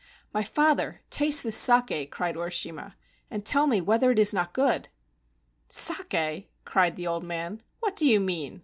"My father, taste this saki," cried Urishima, "and tell me whether it is not good." "Saki!" cried the old man. "What do you mean